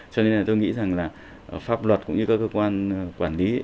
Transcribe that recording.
cho nên là tôi nghĩ rằng là pháp luật cũng như các cơ quan quản lý